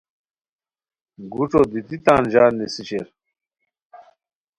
گوݯو دیتی تان ژان نیسی شیر